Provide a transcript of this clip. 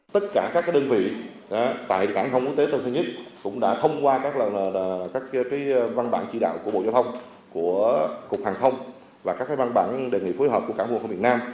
tất cả các đơn vị tại cảng hàng không quốc tế tân sơn nhất cũng đã thông qua các văn bản chỉ đạo của bộ giao thông của cục hàng không và các văn bản đề nghị phối hợp của cảng vụ không việt nam